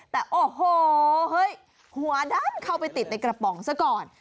แต่โอ้โหเฮ้ยหัวดันเข้าไปติดในกระป๋องซะก่อน